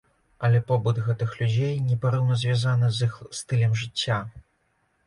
Але побыт гэтых людзей непарыўна звязаны з іх стылем жыцця.